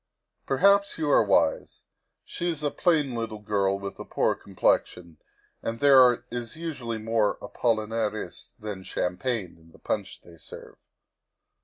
Perhaps you are wise; she is a plain little girl with a poor complexion, and there is usually more apollinaris than champagne in the punch they serve."